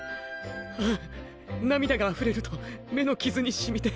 ああ涙が溢れると目の傷に染みて。